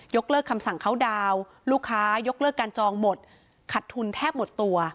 เลิกคำสั่งเข้าดาวน์ลูกค้ายกเลิกการจองหมดขัดทุนแทบหมดตัว